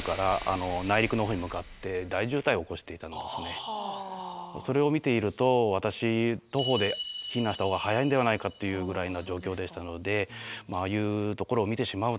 自動車がそれを見ていると私徒歩で避難した方が速いんではないかっていうぐらいの状況でしたのでああいうところを見てしまうとですね